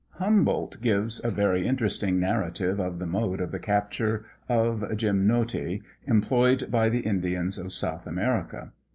Humboldt gives a very interesting narrative of the mode of the capture of the gymnoti employed by the Indians of South America.